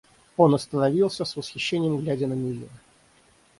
Он остановился, с восхищением глядя на нее.